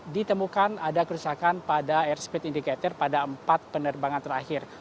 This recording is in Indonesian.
ditemukan ada kerusakan pada airspeed indicator pada empat penerbangan terakhir